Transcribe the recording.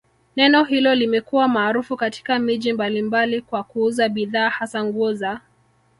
neno hilo limekuwa maarufu katika miji mbalimbali kwa kuuza bidhaa hasa nguo za